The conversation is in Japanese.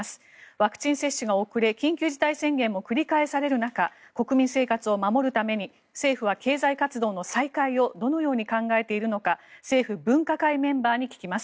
ワクチン接種が遅れ緊急事態宣言も繰り返される中国民生活を守るために政府は経済活動の再開をどのように考えているのか政府分科会メンバーに聞きます。